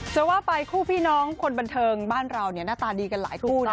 จะว่าไปคู่พี่น้องคนบันเทิงบ้านเราเนี่ยหน้าตาดีกันหลายคู่นะ